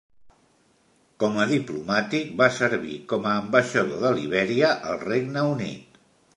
Com a diplomàtic, va servir com a ambaixador de Libèria al Regne Unit.